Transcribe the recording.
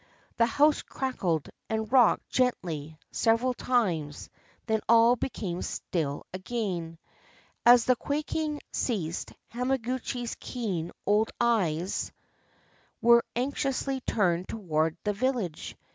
The house crackled and rocked gently several times; then all became still again. As the quaking ceased Hamaguchi's keen old eyes ^ Shinto parish temple. 345 JAPAN were anxiously turned toward the village.